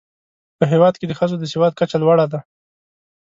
په هېواد کې د ښځو د سواد کچه لوړه ده.